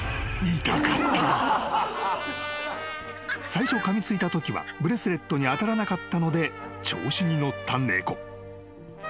［最初かみついたときはブレスレットに当たらなかったので調子に乗った猫］